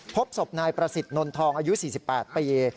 พบศพนายประสิทธิ์นนทองอายุ๔๘ปี